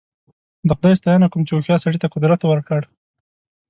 د خدای ستاینه کوم چې هوښیار سړي ته قدرت ورکړ.